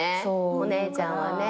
お姉ちゃんはね。